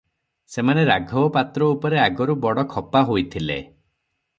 ସେମାନେ ରାଘବ ପାତ୍ର ଉପରେ ଆଗରୁ ବଡ଼ ଖପା ହୋଇଥିଲେ ।